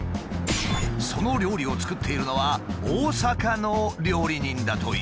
その料理を作っているのは大阪の料理人だという。